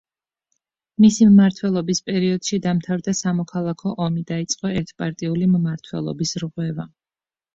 მისი მმართველობის პერიოდში დამთავრდა სამოქალაქო ომი დაიწყო ერთპარტიული მმართველობის რღვევა.